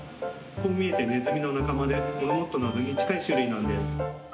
こう見えてネズミの仲間でモルモットなどに近い種類なんです。